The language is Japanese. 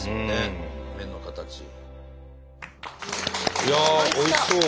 いやおいしそうこれ。